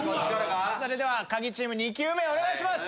それではカギチーム２球目お願いします。